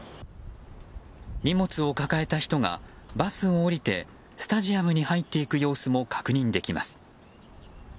荷物を抱えた人がバスを降りてスタジアムに入っていく様子も確認できます。